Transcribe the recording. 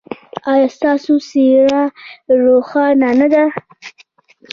ایا ستاسو څیره روښانه نه ده؟